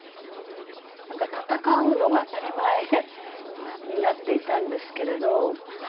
なんか戦うのが当たり前になっていたんですけれど